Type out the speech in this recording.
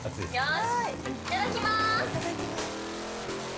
よしいただきます。